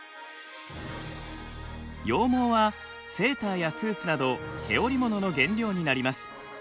羊毛はセーターやスーツなど毛織物の原料になります。